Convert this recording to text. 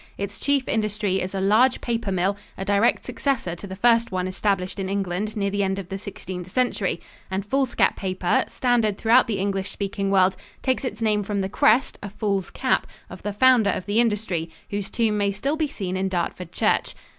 Its chief industry is a large paper mill, a direct successor to the first one established in England near the end of the Sixteenth Century, and Foolscap paper, standard throughout the English speaking world, takes its name from the crest (a fool's cap) of the founder of the industry, whose tomb may still be seen in Dartford Church.